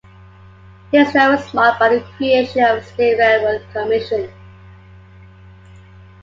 His term was marked by the creation of a state railroad commission.